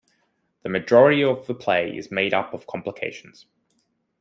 The majority of the play is made up of complications.